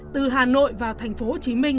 từ hà nội vào thành phố hồ chí minh